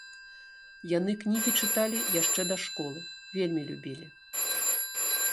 Яны кнігі чыталі яшчэ да школы, вельмі любілі.